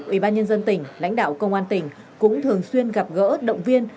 ủy ban nhân dân tỉnh lãnh đạo công an tỉnh cũng thường xuyên gặp gỡ động viên